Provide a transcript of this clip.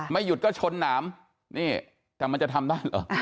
หยุดก็ชนหนามนี่แต่มันจะทำได้เหรอ